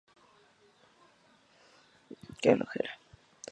Meneses estudió actuación en el Teatro de Improvisación The Second City.